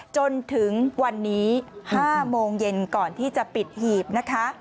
จนถึงวันนี้๕โมงเย็นก่อนที่จะปิดหีบนะคะ